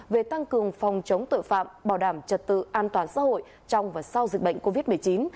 về tăng cường phòng chống tội phạm bảo đảm trật tự an toàn xã hội trong và sau dịch bệnh covid một mươi chín